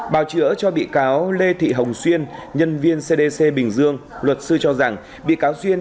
bào chữa cho bị cáo lê thị hồng xuyên nhân viên cdc bình dương luật sư cho rằng bị cáo xuyên